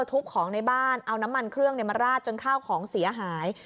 ทุบของในบ้านเอาน้ำมันเครื่องมาราดจนข้าวของเสียหาย